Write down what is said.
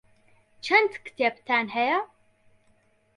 چەند کتێبتان هەیە؟